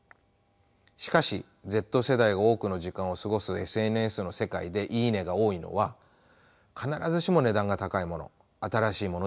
しかしＺ世代が多くの時間を過ごすＳＮＳの世界で「いいね」が多いのは必ずしも値段が高いもの新しいものではありません。